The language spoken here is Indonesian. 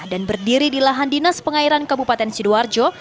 dan berdiri di lahan dinas pengairan kabupaten sidoarjo